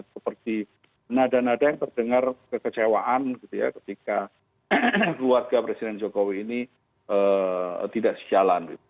seperti nada nada yang terdengar kekecewaan gitu ya ketika keluarga presiden jokowi ini tidak sejalan